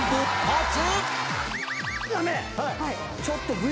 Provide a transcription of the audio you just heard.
ちょっと。